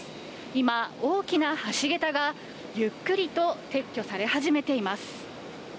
今、大きな橋げたがゆっくりと撤去され始めています。